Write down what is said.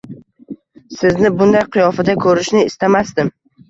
Sizni bunday qiyofada qo'rishni istamasdim.